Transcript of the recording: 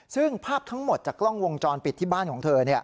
ซึ่งภาพทั้งหมดจากกล้องวงจรปิดที่บ้านของเธอ